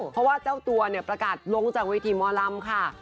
เพราะว่าเจ้าตัวเนี่ยประกาศลงจากเวทีหมอลำค่ะ